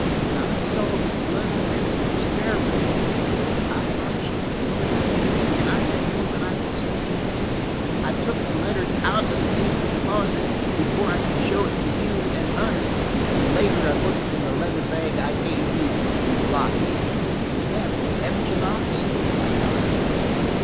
When I saw the blood print on the stair rail, I thought she was murdered, and I had more than I could stand. I took the letters out of the secret closet, before I could show it to you and Hunter, and later I put them in the leather bag I gave you, and locked it. You have it, haven't you, Knox?" I nodded.